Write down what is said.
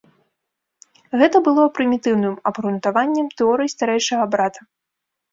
Гэта было прымітыўным абгрунтаваннем тэорыі старэйшага брата.